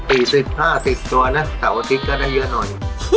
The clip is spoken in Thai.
ปีสิบห้าอาทิตย์ตอนนั้นเสาร์อาทิตย์ก็ได้เยอะหน่อย